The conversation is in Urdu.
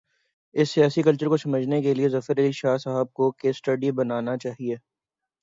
اس سیاسی کلچر کو سمجھنے کے لیے، ظفر علی شاہ صاحب کو "کیس سٹڈی" بنا نا چاہیے۔